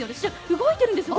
動いてるんです。